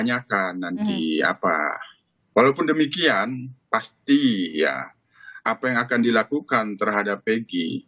apa yang akan dilakukan terhadap peggy